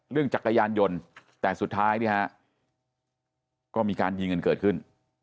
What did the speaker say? เรื่องจักรยานยนต์แต่สุดท้ายเนี้ยฮะก็มีการยืนเงินเกิดขึ้น